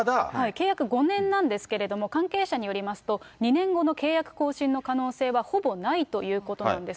契約５年なんですけれども、関係者によりますと、２年後の契約更新の可能性はほぼないということなんです。